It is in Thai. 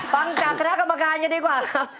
ฟังจากคณะกรรมการกันดีกว่า